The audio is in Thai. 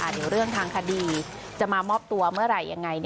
เดี๋ยวเรื่องทางคดีจะมามอบตัวเมื่อไหร่ยังไง